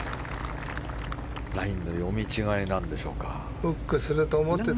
ラインの読み違えなんでしょうか。